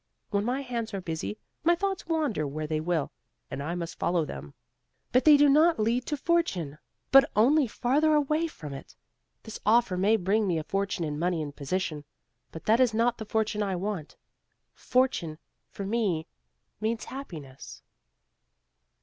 When my hands are busy, my thoughts wander where they will, and I must follow them. But they do not lead to 'fortune,' but only farther away from it. This offer may bring me a fortune in money and position, but that is not the fortune I want. 'Fortune' for me, means happiness."